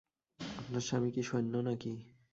আপনার স্বামী কি সৈন্য নাকি?